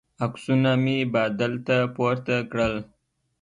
عکسونه مې بادل ته پورته کړل.